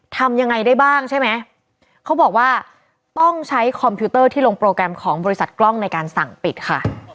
ทำยังไงได้บ้างใช่ไหมเขาบอกว่าต้องใช้คอมพิวเตอร์ที่ลงโปรแกรมของบริษัทกล้องในการสั่งปิดค่ะ